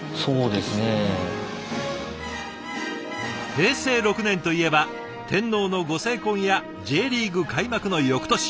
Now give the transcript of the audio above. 平成６年といえば天皇のご成婚やＪリーグ開幕の翌年。